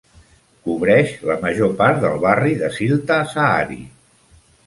Cobreix la major part del barri de Siltasaari.